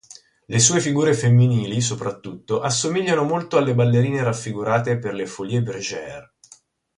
Le sue figure femminili, soprattutto, assomigliano molto alle ballerine raffigurate per le Folies-Bergère.